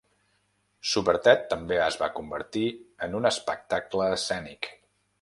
Superted també es va convertir en un espectacle escènic.